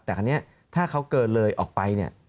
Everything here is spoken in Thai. แต่คราวนี้ถ้าเขาเกินเลยออกไปเนี่ย